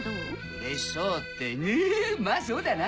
うれしそうってまぁそうだな